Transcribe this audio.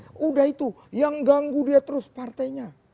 sudah itu yang ganggu dia terus partainya